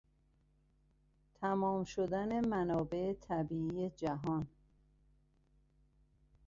تمام شدن منابع طبیعی جهان